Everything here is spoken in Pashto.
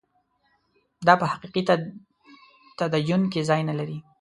دا په حقیقي تدین کې ځای نه لري.